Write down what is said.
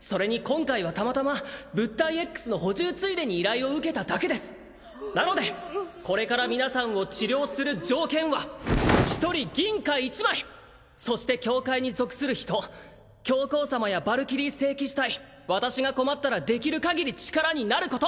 それに今回はたまたま物体Ｘの補充ついでに依頼を受けただけですなのでこれから皆さんを治療する条件は一人銀貨１枚そして教会に属する人教皇様やヴァルキリー聖騎士隊私が困ったらできる限り力になること！